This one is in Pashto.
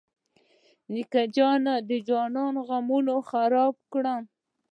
نیکه جانه د جانان غمو خراب کړم.